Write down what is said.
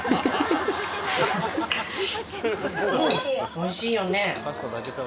おいしいよね。